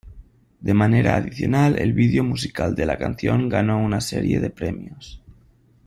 De manera adicional, el video musical de la canción ganó una serie de premios.